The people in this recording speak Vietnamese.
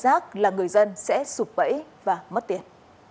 chỉ cần mất cảnh sát là người dân sẽ sụp bẫy và mất tiền